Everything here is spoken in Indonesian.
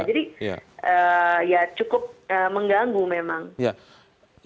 jadi ya cukup mengganggu memang